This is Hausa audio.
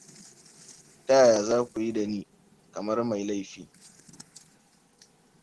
Ta yaya za ku yi da ni kamar mai laifi!